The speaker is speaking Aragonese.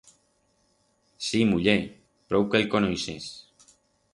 Sí muller, prou que el conoixes.